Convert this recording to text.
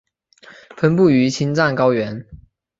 分布于青藏高原。